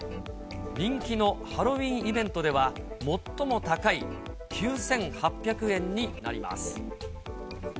人気のハロウィンイベントでは、最も高い９８００円になります。